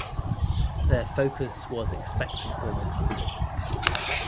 Their focus was expectant women.